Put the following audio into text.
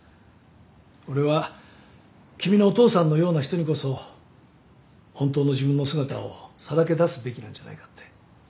俺は君のお父さんのような人にこそ本当の自分の姿をさらけ出すべきなんじゃないかって。